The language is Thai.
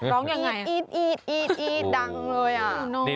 ร้องอย่างไรอีดดังเลย